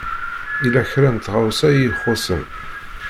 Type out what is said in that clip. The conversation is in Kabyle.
Yella kra n tɣawsa i ixuṣṣen.